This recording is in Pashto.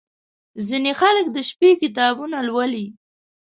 • ځینې خلک د شپې کتابونه لولي.